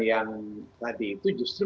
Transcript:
yang tadi itu justru